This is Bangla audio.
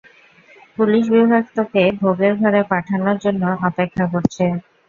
পুলিশ বিভাগ তোকে ভোগের ঘরে পাঠানো জন্য অপেক্ষা করছে।